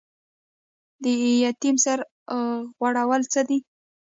د یتیم سر غوړول څه دي؟